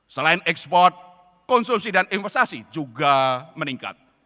selain ekspor konsumsi dan investasi juga meningkat